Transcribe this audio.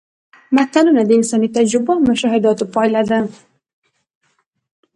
متلونه د انساني تجربو او مشاهداتو پایله ده